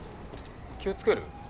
気をつける？